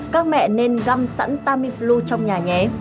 các mẹ nên găm sẵn tamiflu trong nhà